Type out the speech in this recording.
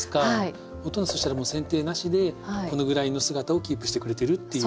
そしたらせん定なしでこのぐらいの姿をキープしてくれてるっていう。